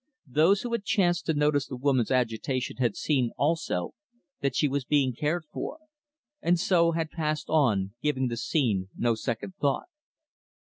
Those who had chanced to notice the woman's agitation had seen, also, that she was being cared for; and so had passed on, giving the scene no second thought.